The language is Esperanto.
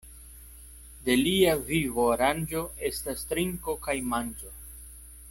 De lia vivo aranĝo estas trinko kaj manĝo.